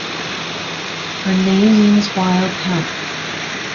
Her name means "wild hemp".